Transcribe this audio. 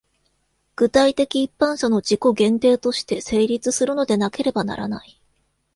具体的一般者の自己限定として成立するのでなければならない。